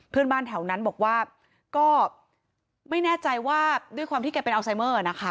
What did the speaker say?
เพื่อนบ้านแถวนั้นบอกว่าก็ไม่แน่ใจว่าด้วยความที่แกเป็นอัลไซเมอร์นะคะ